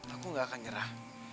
aku gak akan nyerah